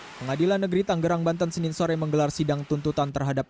pengadilan negeri tanggerang banten senin sore menggelar sidang tuntutan terhadap